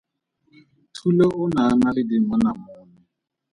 Thulo o ne a na le dimonamone.